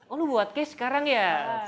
oh lu buat case sekarang ya